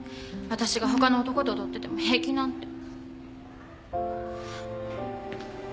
わたしがほかの男と踊ってても平気なんて。